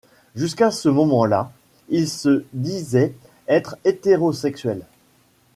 Jusqu'à ce moment-là, il se disait être hétérosexuel.